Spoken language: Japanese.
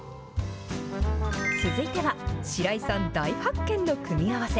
続いては、しらいさん大発見の組み合わせ。